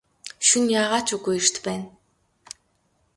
Шөнө яагаа ч үгүй эрт байна.